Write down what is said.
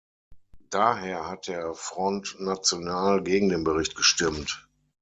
Daher hat der Front national gegen den Bericht gestimmt.